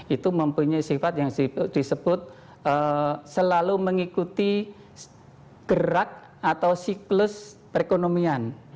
itu mempunyai sifat yang disebut selalu mengikuti gerak atau siklus perekonomian